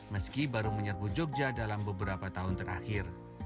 meski baru menyerbu jogja dalam beberapa tahun terakhir